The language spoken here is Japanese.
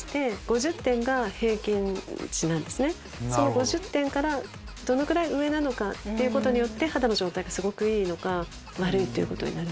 ５０点からどのぐらい上なのかっていうことによって肌の状態がすごくいいのか悪いということになる。